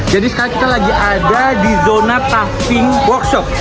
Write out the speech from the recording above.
jadi sekarang kita lagi ada di zona tafting workshop